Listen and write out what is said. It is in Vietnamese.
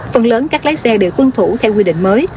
phần lớn các lái xe để quân thủ theo quy định mới